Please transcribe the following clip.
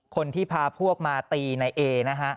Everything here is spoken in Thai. คนที่พาพวกมาตีนายเอนะฮะ